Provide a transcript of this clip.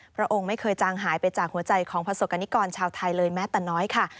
พระองค์ไม่เคยจางหายไปจากหัวใจของประสบกรณิกรชาวไทยเลยแม้แต่น้อยค่ะ